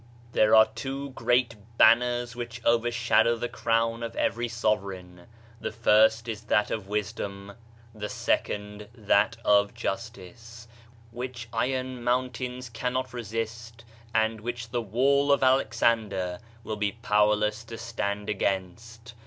There are two great Banners which overshadow the crown of every sovereign; the first is that of Wisdom, the second that of Justice, which iron mountains cannot resist and which the "Wall of Alexander" will be powerless to stand against.